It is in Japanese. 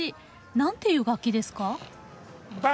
何ていう楽器ですか？